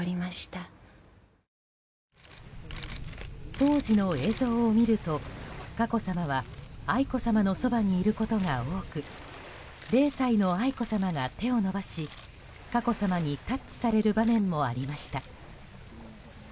当時の映像を見ると佳子さまは愛子さまのそばにいることが多く０歳の愛子さまが手を伸ばし佳子さまにタッチされる場面もありました。